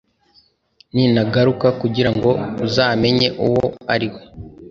Ninagaruka kugirango uzamenye uwo ari we